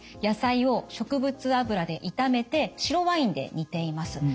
野菜を植物油で炒めて白ワインで煮ています。